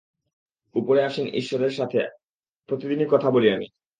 উপরে আসীন ঈশ্বরের সাথে প্রতিদিনই কথা বলি আমি।